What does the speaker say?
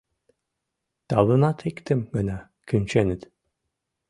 Тавымат иктым гына кӱнченыт.